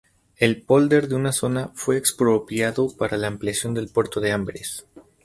El pólder de la zona fue expropiado para la ampliación del puerto de Amberes.